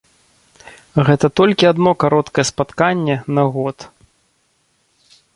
Гэта толькі адно кароткае спатканне на год.